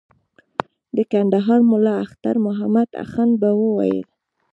د کندهار ملا اختر محمد اخند به ویل.